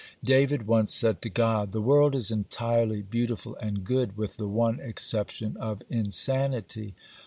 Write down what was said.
David once said to God: "The world is entirely beautiful and good, with the one exception of insanity.